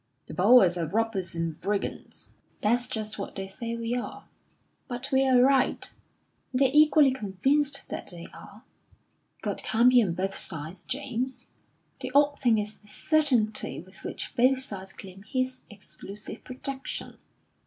"The Boers are robbers and brigands." "That's just what they say we are." "But we're right." "And they're equally convinced that they are." "God can't be on both sides, James." "The odd thing is the certainty with which both sides claim His exclusive protection."